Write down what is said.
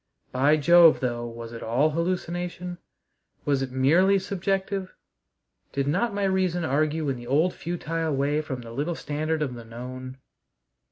By Jove, though, was it all hallucination? Was it merely subjective? Did not my reason argue in the old futile way from the little standard of the known?